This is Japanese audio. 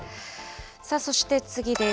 そして次です。